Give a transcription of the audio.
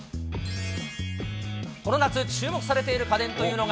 この夏、注目されている家電というのが。